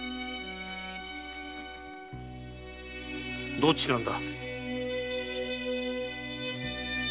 どっちなんだ。